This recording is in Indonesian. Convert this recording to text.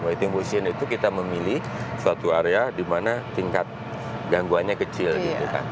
waiting position itu kita memilih suatu area dimana tingkat gangguannya kecil gitu kan